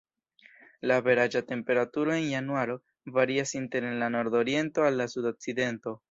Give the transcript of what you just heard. La averaĝa temperaturo en januaro varias inter en la nordoriento al en la sudokcidento.